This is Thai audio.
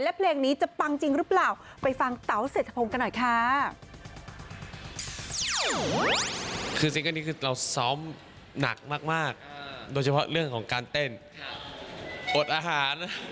และเพลงนี้จะปังจริงหรือเปล่า